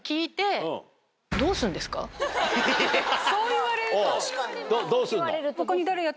そう言われると。